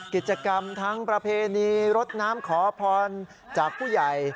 กิจกรรมทั้งประเพณีรดน้ำขอพรจากผู้ใหญ่